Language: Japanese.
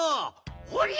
ほりゃ！